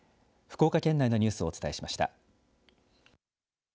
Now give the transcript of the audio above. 福岡県内のニュースをお伝えしました。